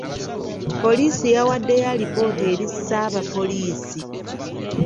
Poliisi yawaddeyo alipoota eri ssaabapoliisi.